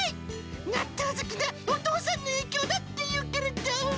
納豆好きなお父さんの影響だっていうから。